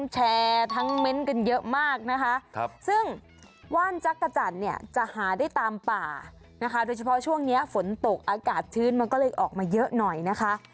จะหาได้ตามป่าโดยเฉพาะช่วงนี้ฝนตกอากาศชื้นมันก็เลยออกมาเยอะหน่อยนะคะ